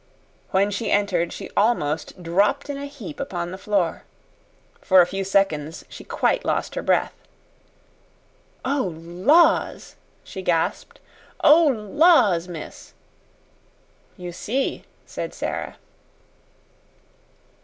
When she entered she almost dropped in a heap upon the floor. For a few seconds she quite lost her breath. "Oh, laws!" she gasped. "Oh, laws, miss!" "You see," said Sara.